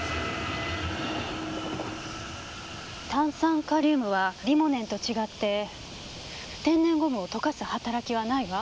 炭酸カリウムはリモネンと違って天然ゴムを溶かす働きはないわ。